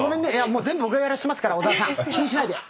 全部僕がやらせてますから小澤さん気にしないで。